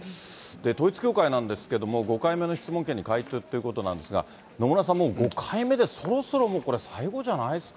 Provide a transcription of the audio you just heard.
統一教会なんですけれども、５回目の質問権に回答ということなんですが、野村さん、もう５回目で、そろそろもうこれ、最後じゃないですか。